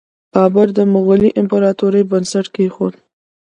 بابر د مغولي امپراتورۍ بنسټ کیښود.